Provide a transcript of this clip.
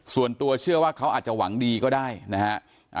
ส่วนตัวเชื่อว่าเขาอาจจะหวังดีก็ได้นะฮะ